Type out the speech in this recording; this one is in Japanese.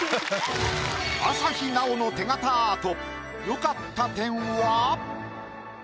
朝日奈央の手形アート。